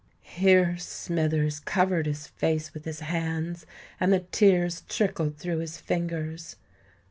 Here Smithers covered his face with his hands, and the tears trickled through his fingers.